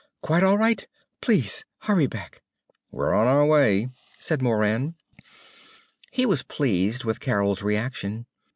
Quite all right? Please hurry back?_" "We're on the way," said Moran. He was pleased with Carol's reaction.